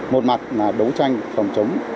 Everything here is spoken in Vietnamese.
một mặt là đấu tranh phòng chống